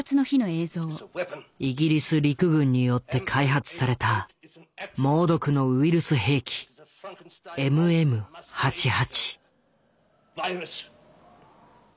イギリス陸軍によって開発された猛毒のウイルス兵器「ＭＭー８８」。